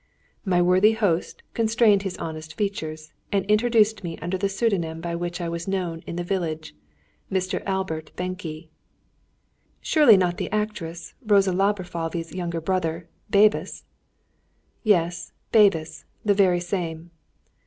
My worthy host constrained his honest features, and introduced me under the pseudonym by which I was known in the village, "Mr. Albert Benke." "Surely not the actress Rosa Laborfalvy's younger brother, Bebus?" "Yes, Bebus! the very same."